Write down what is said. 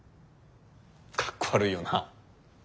かっこ悪いよな。